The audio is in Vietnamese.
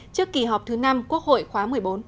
trước kỳ họp thứ năm quốc hội khóa một mươi bốn